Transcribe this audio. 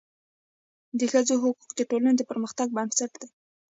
د ښځو حقونه د ټولني د پرمختګ بنسټ دی.